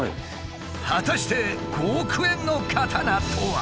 果たして５億円の刀とは？